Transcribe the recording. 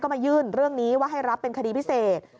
มายื่นเรื่องนี้ว่าให้รับเป็นคดีพิเศษ